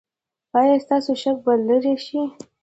ایا ستاسو شک به لرې شي؟